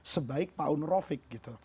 sebaik pak onur raufik gitu